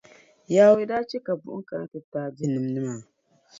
Yawɛ daa chɛ ka buɣim kana ti taai di nimdi maa.